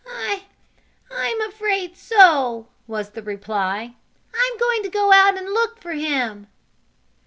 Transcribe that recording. "I I'm afraid so," was the reply. "I'm going to go out and look for him."